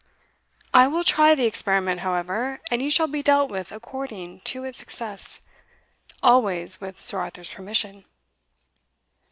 "I will try the experiment, however, and you shall be dealt with according to its success, always with Sir Arthur's permission."